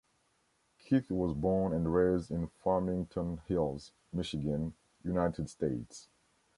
Keith was born and raised in Farmington Hills, Michigan, United States.